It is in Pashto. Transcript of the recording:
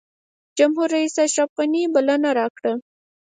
جمهورریس اشرف غني بلنه راکړه.